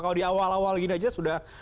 kalau di awal awal gini aja sudah